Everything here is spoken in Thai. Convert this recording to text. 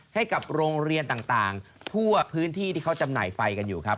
ให้กับโรงเรียนต่างทั่วพื้นที่ที่เขาจำหน่ายไฟกันอยู่ครับ